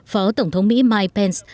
phó tổng thống mỹ mike pence